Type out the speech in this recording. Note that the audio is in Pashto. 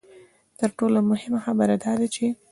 تر ټولو مهمه خبره دا ده چې.